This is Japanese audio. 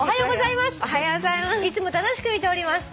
いつも楽しく見ております」